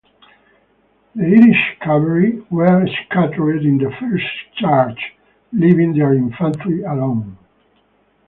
The Irish cavalry were scattered in the first charge, leaving their infantry alone.